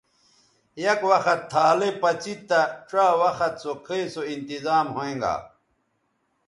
یک وخت تھالئ پڅید تہ ڇا وخت سو کھئ سو انتظام ھویں گا